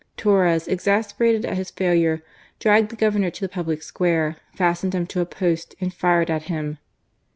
Torres, exasperated at his failure, dragged the Governor to the public square, fastened him to a post, and fired at him.